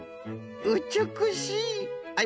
うちゅくしい！